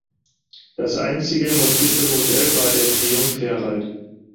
Das einzige montierte Modell war der Triumph Herald.